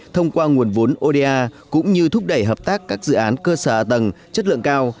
thông qua nguồn vốn oda cũng như thúc đẩy hợp tác các dự án cơ sở hạ tầng chất lượng cao